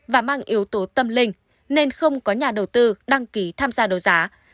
và mang yếu tố tâm linh nên không có nhà đầu tư đăng ký tham gia đấu giá